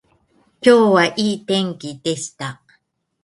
今日はいい天気でした